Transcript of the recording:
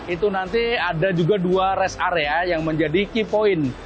itu nanti ada juga dua rest area yang menjadi key point